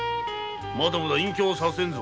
まだまだ隠居はさせぬぞ。